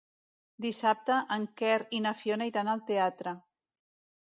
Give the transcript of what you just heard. Dissabte en Quer i na Fiona iran al teatre.